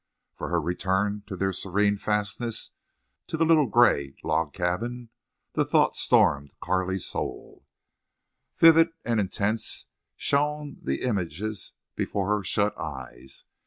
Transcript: For her return to their serene fastnesses—to the little gray log cabin. The thought stormed Carley's soul. Vivid and intense shone the images before her shut eyes.